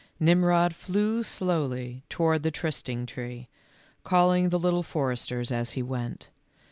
Nirnrod flew slowly toward the trysting tree, calling the Little Foresters as he went.